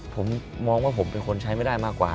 ผมมองว่าผมเป็นคนใช้ไม่ได้มากกว่า